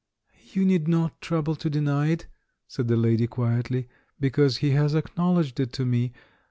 "You need not trouble to deny it," said the lady quietly, "because he has acknowledged it to me.